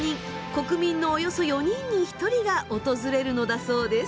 国民のおよそ４人に１人が訪れるのだそうです。